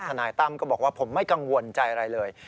นายตั้มก็บอกว่าผมไม่กังวลใจอะไรเลย